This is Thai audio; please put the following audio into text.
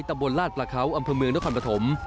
แต่บนลาดประเค้าอำเภอเมืองเกาะคัมปะถม